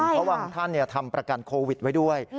เพราะบางท่านทำประกันโควิดไว้ด้วย